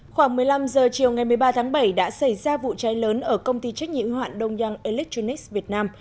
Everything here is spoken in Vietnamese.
khoảng một mươi năm h chiều ngày một mươi ba tháng bảy đã xảy ra vụ cháy lớn ở công ty trách nhiệm hoạn đông giang electronics việt nam